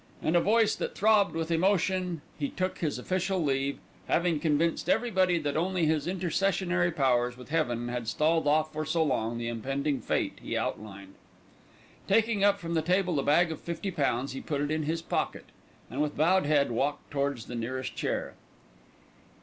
In a voice that throbbed with emotion he took his official leave, having convinced everybody that only his intercessionary powers with heaven had stalled off for so long the impending fate he outlined. Taking up from the table the bag of fifty pounds, he put it in his pocket and with bowed head walked towards the nearest chair.